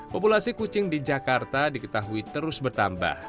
populasi kucing di jakarta diketahui terus bertambah